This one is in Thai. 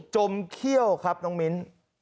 จมเขี้ยวครับน้องมิ้น